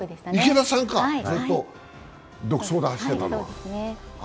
池田さんか、独走で走ってたのは。